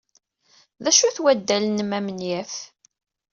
D acu-t waddal-nnem amenyaf.